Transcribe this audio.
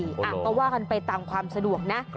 อ่ำประวัติภาพกันไปตามความสะดวกนะ